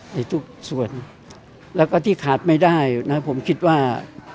ในทุกส่วนแล้วก็ที่ขาดไม่ได้นะผมคิดว่า